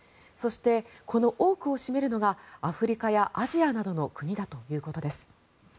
そして、この多くを占めるのがアフリカやアジアなどの国だということです。